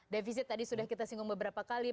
defisit tadi sudah kita singgung beberapa kali